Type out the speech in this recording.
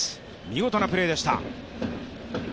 見事なプレーでした。